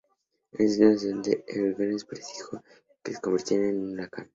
El Instituto Nacional de Huracanes predijo que se convertiría en un huracán.